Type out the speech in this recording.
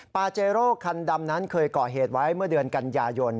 ปาเจโร่คันดำนั้นเคยก่อเหตุไว้เมื่อเดือนกันยายน